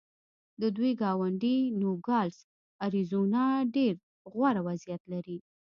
د دوی ګاونډی نوګالس اریزونا ډېر غوره وضعیت لري.